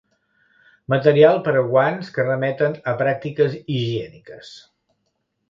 Material per a guants que remeten a pràctiques higièniques.